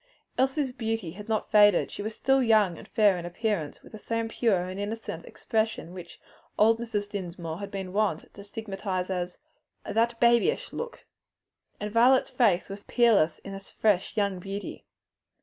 Elsie's beauty had not faded, she was still young and fair in appearance, with the same sweetly pure and innocent expression which old Mrs. Dinsmore had been wont to stigmatize as "that babyish look." And Violet's face was peerless in its fresh young beauty.